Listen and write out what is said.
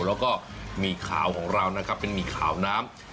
แล้วก็หมี่ขาวของเรานะครับเป็นหมี่ขาวน้ำ